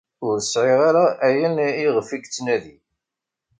Ur sɛiɣ ara ayen i ɣef i yettnadi.